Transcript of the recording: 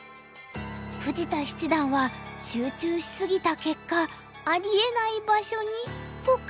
富士田七段は集中し過ぎた結果ありえない場所にポカッと！